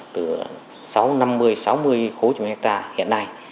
từ năm mươi sáu mươi khối trên một ha hiện nay